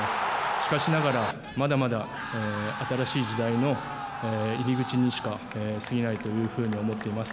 しかしながら、まだまだ新しい時代の入り口にしかすぎないというふうに思っています。